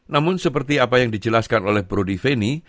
namun seperti apa yang dijelaskan oleh prodi veni